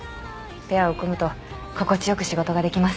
ペアを組むと心地よく仕事ができます。